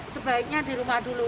sebaiknya di rumah dulu